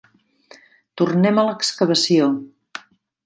tornem a l'excavació.